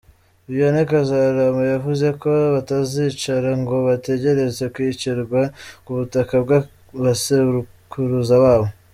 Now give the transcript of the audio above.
Vianney Kazarama yavuze ko batazicara ngo bategereze kwicirwa ku butaka bw’abasekuruza babo.